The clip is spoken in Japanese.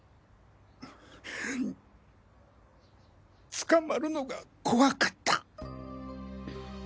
捕まるのが怖かった。